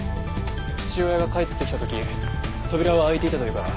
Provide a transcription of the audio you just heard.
父親が帰ってきた時扉は開いていたというから。